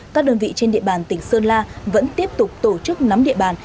các đơn vị trên địa bàn tỉnh sơn la vẫn tiếp tục tổ chức nắm địa bàn